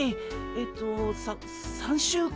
えっとさ３週間くらい。